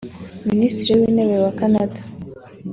Minisitiri w’Intebe wa Canada